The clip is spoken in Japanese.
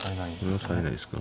これはさえないですか？